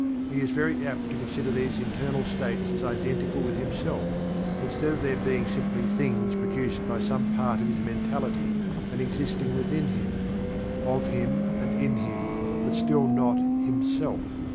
He is very apt to consider these internal states as identical with himself, instead of their being simply "things" produced by some part of his mentality, and existing within him of him, and in him, but still not "himself."